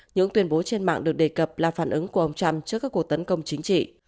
những tuyên bố trên mạng được đề cập là phản ứng của ông trump trước các cuộc tấn công chính trị